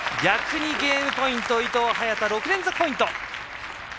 逆にゲームポイント伊藤、早田６連続ポイント！